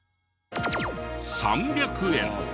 ３００円。